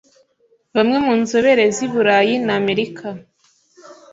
Bamwe mu nzobere z'i Burayi n'Amerika